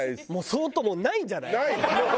相当もうないんじゃない？ない。